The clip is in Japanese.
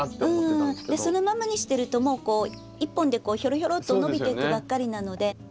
そのままにしてるともう一本でひょろひょろっと伸びていくばっかりなので。